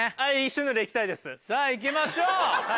さぁいきましょう。